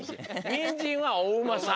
にんじんはおうまさん。